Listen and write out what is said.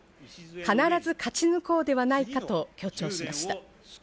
必ず勝ち抜こうではないかと強調しました。